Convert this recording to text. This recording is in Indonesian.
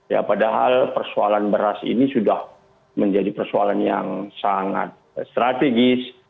ya padahal persoalan beras ini sudah menjadi persoalan yang sangat strategis